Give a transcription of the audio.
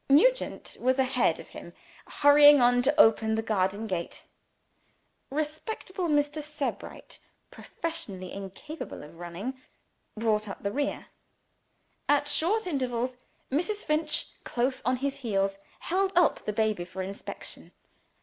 Nugent was ahead of him, hurrying on to open the garden gate. Respectable Mr. Sebright (professionally incapable of running) brought up the rear. At short intervals, Mrs. Finch, close on his heels, held up the baby for inspection.